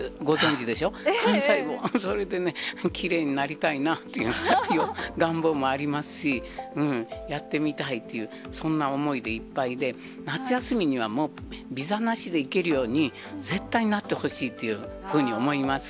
きれいになりたいなという願望もありますし、やってみたいっていう、そんな思いでいっぱいで、夏休みにはもう、ビザなしで行けるように、絶対なってほしいっていうふうに思います。